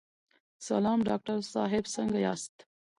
سلام ډاکټر صاحب، څنګه یاست؟